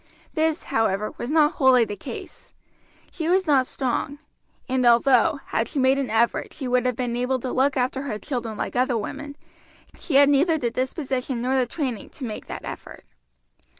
This, however, was not wholly the case. She was not strong; and although, had she made an effort, she would have been able to look after her children like other women, she had neither the disposition nor the training to make that effort.